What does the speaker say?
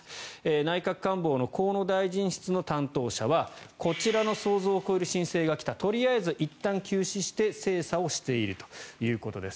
内閣官房の河野大臣室の担当者はこちらの想像を超える申請が来たとりあえず、いったん休止して精査をしているということです。